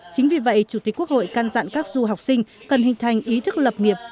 chính vì vậy chủ tịch quốc hội can dặn các du học sinh cần hình thành ý thức lập nghiệp